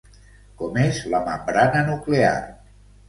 Com és la membrana nuclear?